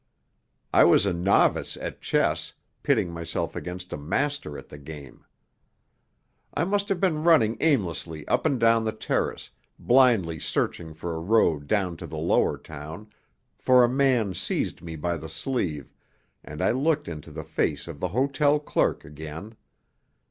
I was a novice at chess, pitting myself against a master at the game. I must have been running aimlessly up and down the terrace, blindly searching for a road down to the lower town, for a man seized me by the sleeve, and I looked into the face of the hotel clerk again.